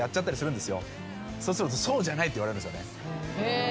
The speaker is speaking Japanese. そうするとそうじゃないって言われるんですよね。